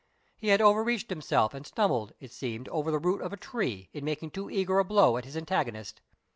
He had overreached himself, and stumbled, it seemed, over the root of a tree, in making too eager a blow at his antagonist.